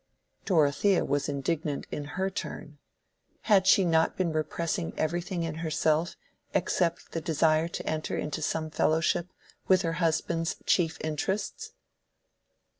Dorothea was indignant in her turn. Had she not been repressing everything in herself except the desire to enter into some fellowship with her husband's chief interests?